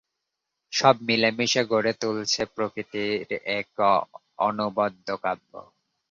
সব মিলে মিশে গড়ে তুলেছে প্রকৃতির এক অনবদ্য কাব্য।